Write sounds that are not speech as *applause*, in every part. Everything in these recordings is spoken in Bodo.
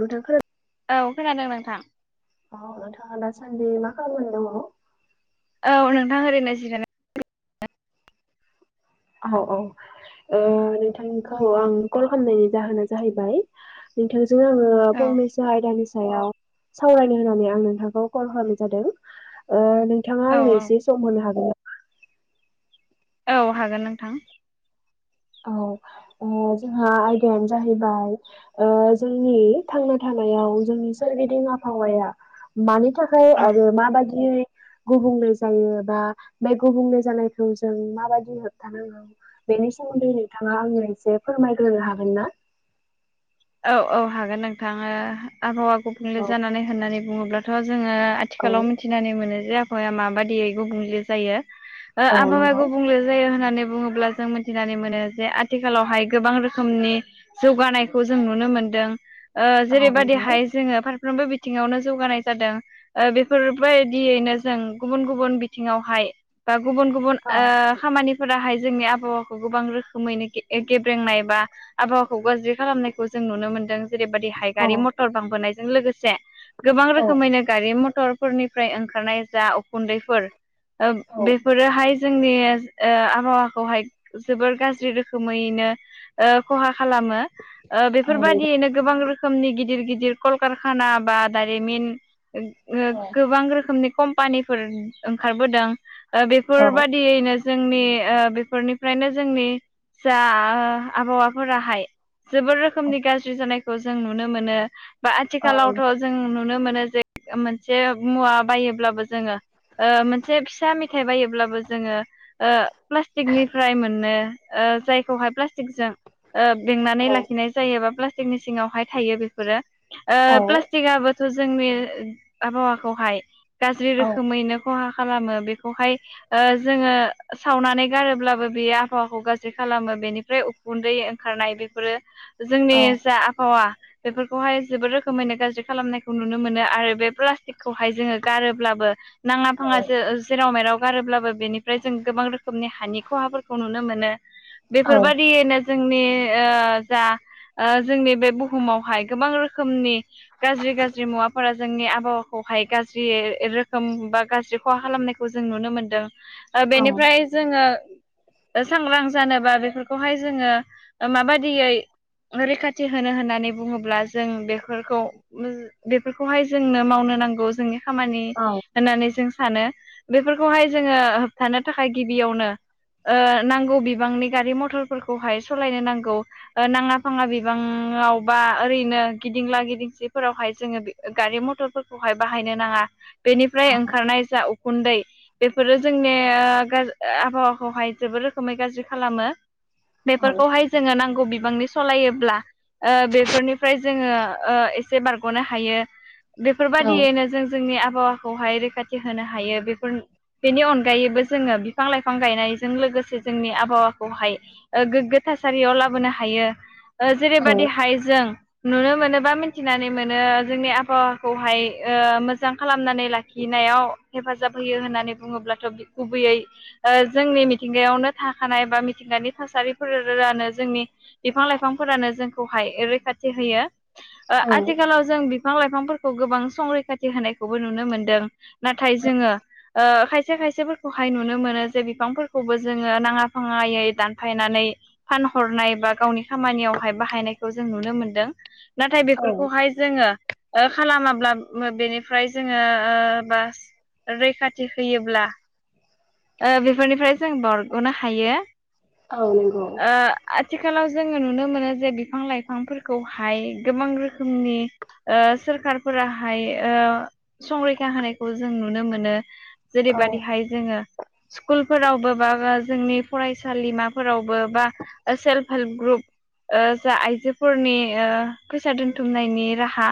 नोंथां खोनादों? औ खोनादों नोंथां। औ नोंथाङा दासान्दि मा खालामनो दङ? औ नोंथां ओरैनो जिरायना औ औ। ओ नोंथांखौ आं कल खालामनायनि जाहोना जाहैबाय नोंथां जों आंङो औ फंनसो आयदानि सा सायाव सावरायनो होननानै आं नोंथांखौ कल खालामनाय जादों। ओ नोंथाङा औ आंनो एसे औ सम होनो हागोना? औ हागोन नोंथां। औ आं जोंहा आयदायानो जाहैबाय ओ जोंनि थांना थाना नायाव सोरगिदिं आबहावाया मानि थाखाय औ आरो माबादियै गुबुंले जायो बा बे गुबुंले जानायखौ जों माबायदि होबथानांगौ। बेनि सोमोन्दै नोंथाङा आङो एसे फोरमायग्रोनो हागोन ना? औ औ हागोन नोंथाङो आबहावा गुबुंले औ जानानै होननानै बुङोब्लाथ'। जोङो औ आथिखालाव मिथिनानै मोनो जे आबहावाया माबाददियै गुबुंले जायो। ओ औ आबावा नंगौ गुबुंले जायो होना बुङोब्ला जों मिनथिनानै मोनो जे आथिखालावहाय गोबां रोखोमनि जौगानाय खौ जों नुनो मोनदों ओ औ नंगौ जेरैबायदिहाय जोङो मोनफ्रोमबो बिथिङावनो जौगानाय जादों ओ बेफोरबायदियैनो जों गुबुन गुबुन बिथिङावहाय गुबुन गुबुन औ ओ खामानि फोराहाय जोंनि आबहावाखौ गोबां रोखोमैनो गेब्रेंनाय बा आबहावाखौ गाज्रि खालामनायखौ जों नुनो मोन्दों जेरैबायदि औ हाइगारि मटर बांबोनायजों लोगोसे। गोबां औ रोखोमैनो गारि मटरफोरनिफ्राय ओंखारनाय जा उखुन्दैफोर ओ बेफोरोहाय जोंनि ओ आबहावाखौहाय जोबोर गाज्रि रोखोमैनो ओ खहा खालामो। ओ औ नंगौ बेफोरबायदियैनो गोबां रोखोमनि गिदिर गिदिर कलकारखाना बा दारिमिन। ओ औ गोबां रोखोमनि कम्पानिफोर ओंखारबोदों, ओ बेफोरबादियैनो जोंनि ओ बेफोरनिफ्रायनो जोंनि जा आ आबहावाफोराहाय जोबोर रोखोमनि गाज्रि जानायखौ जों नुनो मोनो। बा औ आथिखालावथ' नंगौ जों नुनो मोनो जे मोनसे मुवा बायोब्लाबो जोङो ओ मोनसे फिसा मेथाइ बायोब्लाबो जोङो ओ प्लास्टिकनिफ्राय मोननो ओ जायखौहाय फ्लासटिकजों ओ नै लाखिनाय जायोबा प्लास्टिकनि सिङावहाय थायो बेफोरोओ प्लास्टिकआबो थ' जोंनि आबहावाखौहाय गाज्रि औ रोखोमैनो खहा खालामो बेखौहाय ओ जोङो सावनानै गारोब्लाबो बे आबहावाखौ गाज्रि खालामो बेनिफ्राय उखुन्दै ओंखारनाय बेफोरो जोंनि औ जा आबहावा बेफोरखौहाय जोबोद रोखोमैनो गाज्रि खालामनायखौ नुनो मोनो आरो बे प्लास्टिकखौहाय जोङो गारोब्लाबो नाङा फाङासो जेराव मेराव गारोब्लाबो बेनिफ्राय जों गोबां रोखोमनि हानि खहाफोरखौ नुनो मोनो बेफोरबायदियैनो जोंनि ओ जा ओ जोंनि बे बुहुमावहाय गोबां रोखोमनि गाज्रि गाज्रि मुवाफोरा जोंनि आबहावाखौ हाय गाज्रि रोखोम बा गाज्रि खहा खालामनायखौ जों नुनो मोनदों। ओ बेनिफ्राय जोङो सांग्रां जानोबा बेफोरखौहाय जोङो माबायदियै रैखाथि होनो होननानै बुङोब्ला जों बेफोरखौ बेफोरखौहाय जोंनो मावनो नांगौ जोंनि खामानि औ होननानै जों सानो बेफोरखौहाय जोङो होबथानो थाखाय गिबियावनो ओ नांगौ बिबांनि गारि मटरफोरखौहाय स' लायनो नांगौ नाङा फाङा बिबाङाव बा ओरैनो गिदिंला गिदिंसिफोरावहाय जोङो गारि-मटरफोरखौहाय बाहायनो नाङा औ बेनिफ्राय ओंखारनाय जा उखुन्दै बेफोरो जोंनि आबहावाखौहाय जोबोद रोखोमै गाज्रि खालामो औ फोरखौहाय जोङो नांगौ बिबांनि सलायोब्ला ओ बेफोरनिफ्राय जोङो ओ एसे बारग'नो हायो। औ बेफोरबायादियैनो जों जोंनि आबहावाखौहाय रैखाथि होनो हायो बेफोर बेनि अनगायैबो जोङो बिफां-लाइफां गायनायजों लोगोसे जोंनि आबहावाखौहाय गोग्गो थासारियाव लाबोनो हायो ओ औ जेरैबायदिहाय जों नुनो मोनोबा मिथिनानै मोनो जोंनि आबहावाखौहाय ओ मोजां खालामनानै लाखि खिनायाव हेफाजाब होयो होननानै बुङोब्लाथ' गुबैयै जोंनि मिथिंगायावनो थाखानाय बा मिथिंगानि थासारि फोरानो जोंनि बिफां लाइफांफोरानो जोंखौहाय रैखाथि होयो ओ औ आथि खालाव जों बिफां लाइफांफोर खौ गोबां संरैखाथि होनायखौबो नुनो मोनदों नाथा‌य जोङो ओ खायसे खायसेफोरखौ आय नुनो मोनो जे बिफांफोरखौबो जोङो नाङा फाङायै दानफायनानै फानहरनाय बा गावनि खामानियावहाय बाहायनायखौ जों नुनो मोनदों नाथाय औ बेफोरखौहाय जोङो ओ खालामाब्ला बेनिफ्राय जोङो ओ बास रैखाथि होयोब्ला ओ बेफोरनिफ्राय जों बारग'नो हायो। औ नंगौ ओ आ थिखालाव जोंङो नुनो मोनो जे बिफां लाइफांफोरखौहाय गोबां रोखोमनि ओ सोरखारफोराहाय ओ संरैखा होनायखौ जों नुनो मोनो। औ जेरैबायदिहाय जोङो स्कुलफोरावबो बा जोंनि फरायसालिमाफोरावबो बा सेल्फ हेल्प ग्रुप ओ जा आइजोफोरनि ओ फैसा दोनथुमनायनि राहा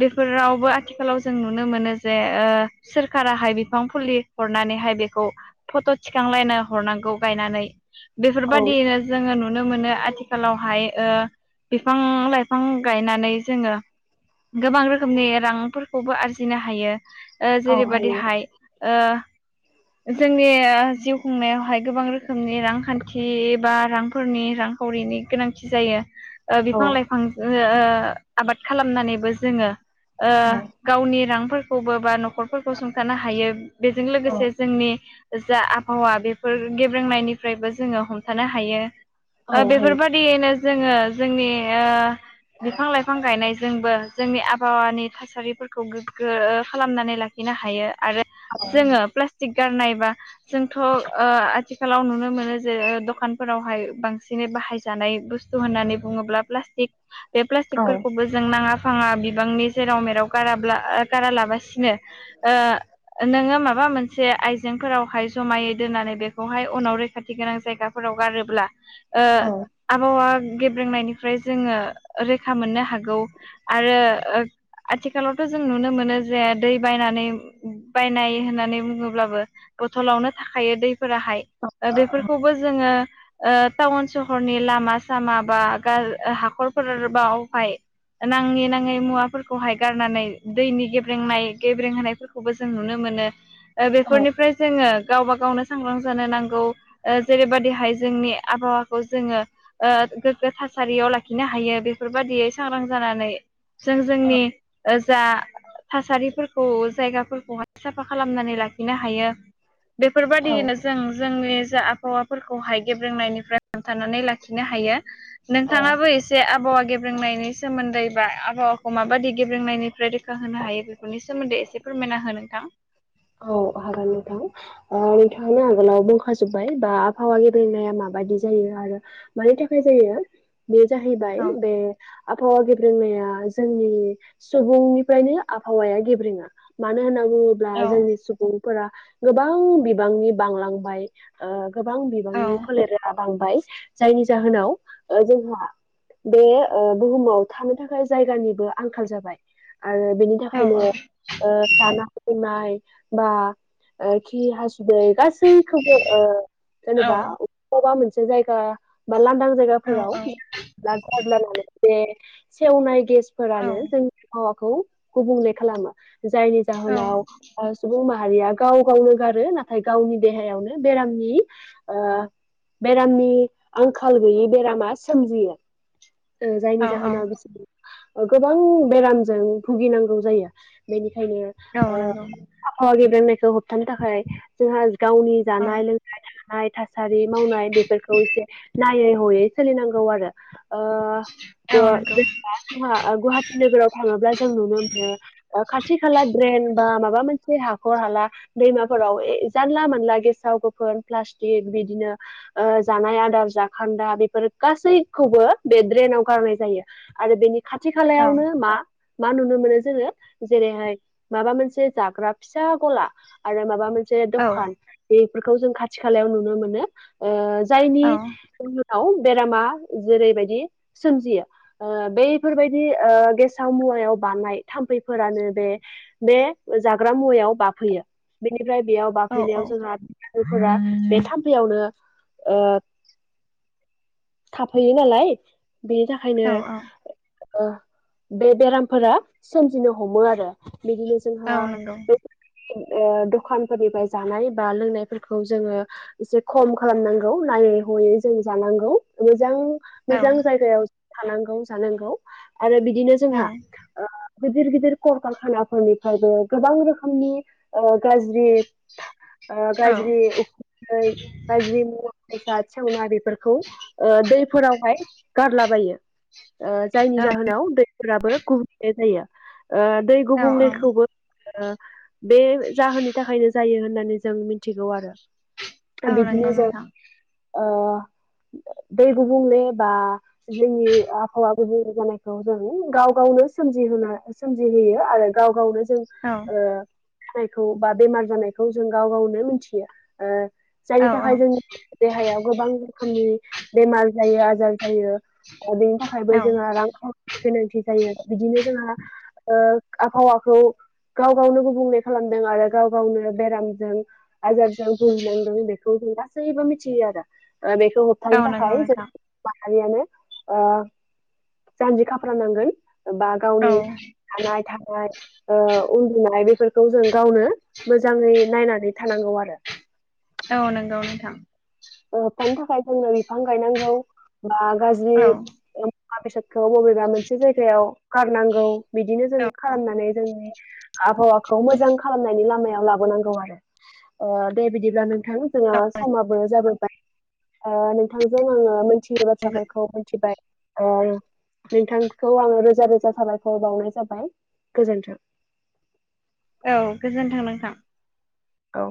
बेफोरावबो आथिखालाव जों नुनो मोनो जे ओ सोरखाराहाय बिफां फुलि हरनानै हाय बेखौ फट' थिखांलायनो हरनांगौ गायनानै औ बेफोरबायदियैनो जोङो नुनो मोनो आथिखालावहाय ओ बिफां-लाइफां गायनानै जोङो गोबां रोखोमनि रांफोरखौबो आरजिनो हायो ओ औ जेरैबायदि हायो हाय ओ जोंनि जिउ खुंनायावहाय गोबां रोखोमनि रांखान्थि बा रांफोरनि रांखावरिनि गोनांथि जायो ओ औ बिफां लाइफांजों ओ ओ आबाद खालामनानैबो जोङो ओ औ गावनि रांफोरखौबो बा न'खरफोरखौ सुंथानो हायो बेजों औ लोगोसे जोंनि जा आबहावा बेफोर गेब्रेंनायनिफ्रायबो जोङो हमथानो हायो औ ओ हायो बेफोरबायादियैनो जोङो जोंनि ओ बिफां लाइफां गायनायजोंबो जोंनि आबहावानि थासारिफोर खौ गोग्गो खालामनानै लाखिनो हायो आरो औ जोङो प्लास्टिक गारनाय बा जोंथ' ओ आथिखालाव नुनो मोनो जे द खानफोरावहाय बांसिनै बाहाय जानाय बुस्थु होननानै बुङोब्ला प्लाष्टिक बे औ प्लास्टिकफोरखौबो जों नाङा-फाङा बिबांनि जेराव-मेराव गाराब्ला गारालाबासिनो ओ नोंङो मा बा मोनसे आइजेंफोरावहाय जमायै दोननानै बेखौहाय उनाव रैखाथि गोनां जायगा फोराव गारोब्ला ओ औ आबहावा गेब्रेंनायनिफ्राय जोङो रैखा मोननो हागौ आरो आथिखालावथ' जों नुनो मोनो जे दै बायनानै बायनाय होननानै बुङोब्लाबो बथलावनो थाखायो दैफोराहाय बेफोरखौबो जोङो ओ टाउन सहरनि लामा सामा बा गार ओ हाखर न'खरफोर बावहाय नाङै नाङै मुवाफोरखौहाय गारनानै दैनि गेब्रेंनाय गेब्रेंहोनायफोरखौबो जों नुनो मोनो। मोनो बेफोरनिफ्राय जोङो गावबा गावनो सांग्रां जानो नांगौ। जेरैबायदिहाय जोंनि आबहावाखौ जोङो ओ गोग्गो थासारियाव लाखिनो हायो बेफोरबा थियै सांग्रां जानानै जों जोंनि जा थासारिफोरखौ जायगाफोरखौहाय साफा खालामनानै लाखिनो हायो। बेफोर औ बायदियैनो जों जोंनि ओजा आबाहावाफोरखौहाय गेब्रेंनायनिफ्राय हमथानानै लाखिनो हायो। औ औ नोंथाङाबो एसे आबहावा गेब्रेंनायनि सोमोन्दै बा आबहावा खौ माबादि गेब्रेंनायनिफ्राय रोखा होनो हायो बेफोरनि सोमोन्दै एसे फोरमायना हो नोंथां। औ हागोन नोंथां ‌। ओ नोंथां आगोलाव बुंखाजोब्बाय बा आबहावा गे बेेंनाया माबादि जायो आरो मानि थाखाय जायो *inaudible* *inaudible* बे जाहैबाय औ बे आबहावा गेब्रेंनाया जोंनि सुबुंनिफ्रायनो आबहावाया गेब्रेङा मानो होनना बुङोब्ला औ जोंनि सुबुं फोरा गोबां बिबांनि बांलांबाय ओ गोबां औ बिबांनि फोलेरा बांबाय जायनि जाहोनाव ओ जोंहा बे ओ बुहुमाव थानो थाखाय जायगानिबो आंखाल जाबाय आरो बेनि औ थाखायनो जानाय-लोंनाय बा ऐ खि हासु दै गासैखौबो ओ औ जेनेबा औ बबा मोनसे जायगा बा लांदां जायगाफोराव मोनसे सेवनाय गेस औ फोरानो जोंनि आबहावाखौ गुबुंले खालामो जायनि औ जाहोनाव सुबुं मा हारिया गाव गावनो गारो नाथाय गावनि देहायावनो बेरामनि ओ बेरामनि आंखाल गैयि बेरामा सोमजियो। जायनि औ जाहोना बेसे गोबां बेरामजों भुगिनांगौ जायो बेनिखा यनो औ ओ नंगौ आबहावा गेब्रेंनायखौ होबथानो थाखाय जोङो गावनि औ जानाय लोंनाय थानाय थासारि मावनाय बेफोरखौ एसे नायै हयै सोलिनांगौ आरो ओ औ ओ नंगौ जोङा गुवाहाटी नोगोराव थाङोब्ला जोंनो मोनो खाथि-खाला ड्रेइन बा माबा मोनसे हाखर हाला दैमाफोराव ए जानला मोनाला गेसाव गोफोन प्लास्टिक बिदिनो ओ जानाय आदार जाखान्दा बेफोर गासैखौबो बे ड्रेनाव गारनाय जायो आरो बेनि खाथि औ खालायावनो मा मा नुनो मोनो जोङो जेरैहाय माबा मोनसे जाग्रा फिसा गला आरो माबा मो नसे औ दखान बेफोरखौ जों खाथि-खालायाव नुनो मोनो औ जायनि बेरामा जेरैबायदि सोमजियो बे बेफोरबायदि ओ गेसाव मुवायाव बानायनाय थाम्फैफोरानो बे बे जाग्रा मुवा याव बाफैयो बेनिफ्राय बेयाव औ बाफैनायाव जोंहा दैफोरा बे थामफैयावनो ओ थाफैयो नालाय बेनि थाखायनो ओ बे बेरामफोरा सोमजिनो हमो आरो बिदिनो औ जोंहा नंगौ बे ओ दखानफोरनिफाय जानाय बा लोंनायफोरखौ जोङो एसे खम खालामनांगौ। हयै जों जानांगौ मोजां औ मोजां औ जायगायाव थानांगौ जानांगौ। आरो बिदिनो जोंहा औ ओ गिदिर गिदिर कलकखानाफोरनिफ्रायबो गोबां रोखोमनि गाज्रि ओ गाज्रि उ खुन्दै ओ गाज्रि मुवा फसा सेवना बेफोरखौ ओ दै फोरावहाय गारलाबायो ओ जायनि जाहोनाव दै। फोराबो गुबुंले जायो ओ दै औ गुबुंलेखौबो ओ। बे जाहोननि थाखायनो जायो होननानै जों मिथिगौ आरो। औ नंगौ बिदिनो जों नोंथां। ओ दै गुबुंले बा जोंनि आबहावा। गुबुं जानायखौ जों गाव गावनो मिहोन सोमजिहोयो आरो गाव गावनो। जों औ ओ जायखौ बा बेमार जानायखौ जों गाव गावनो मिथियो ओ। औ जायनि थाखाय जोंनि देहायाव गोबां रोखोमनि बेमार जायो आजार जायो। अदिन औ थाखायबो। रां ख गोनांथि जायो आरो बिदिनो जोंहा ओ आबहावाखौ। गाव गावनो गुबुंले खालामदों आरो गाव गावनो बेरामजों आजारजों भहिनांदों बेखौ। नासैबो मिथियो आरो। ओ बेखौ होबथानो नंगौ थाखाय जों नोंथां माहारियानो ओ। जानजि खाफ्रा नांगोन बा औ गावनि थानाय थानाय। ओ उन्दुनाय बेफोरखौ जों गावनो मोजाङै नायनानै थानांगौ आरो। औ नंगौ नोंथां। ओ होबथानो थाखाय जोंनो बिफां गायनांगौ बा गाज्रि। औ मुवा बेसादखौ बबेबा मोनसे जायगायाव गारनांगौ बिदिनो जों खालामनानै जोंनि। आबहावाखौ मोजां खालामनायनि लामायाव लाबोनांगौ आरो ओ दे बिदिब्ला नों। नोंथां जोङो समाबो जाबोबाय ओ नोंथांजों आङो मोन। थ बाथ्राफोरखौ मिथिबाय ओ। नोंथांखौ आङो रोजा रोजा साबायखर बावनाय जाबाय गोजोन्थों। औ गोजोन थों नोंथां। औ।